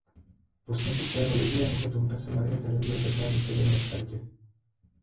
Po smrti svého jediného potomka se Marie Terezie začala více věnovat charitě.